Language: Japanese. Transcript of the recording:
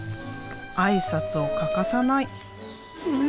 挨拶を欠かさない。